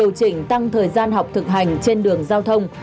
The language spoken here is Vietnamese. điều chỉnh tăng thời gian học thực hành trên đường giao thông